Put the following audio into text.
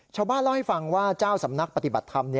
ชาวบ้านเล่าให้ฟังว่าเจ้าสำนักปฏิบัติธรรม